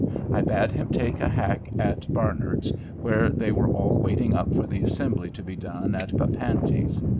I bade him take a hack at Barnard's, where they were all up waiting for the assembly to be done at Papanti's.